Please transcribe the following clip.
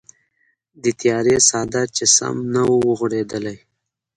د تیارې څادر چې سم نه وغوړیدلی و.